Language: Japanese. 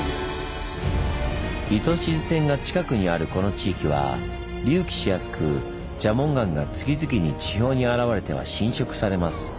糸静線が近くにあるこの地域は隆起しやすく蛇紋岩が次々に地表に現れては侵食されます。